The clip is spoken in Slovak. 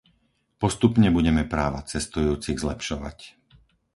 Postupne budeme práva cestujúcich zlepšovať.